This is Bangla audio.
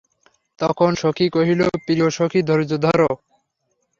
তখন সখী কহিল, প্রিয়সখি ধৈর্য ধর।